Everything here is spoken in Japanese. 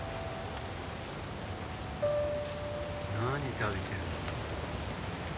何食べてるの？